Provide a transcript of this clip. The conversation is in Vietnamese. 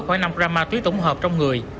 khoảng năm gram ma túy tổng hợp trong người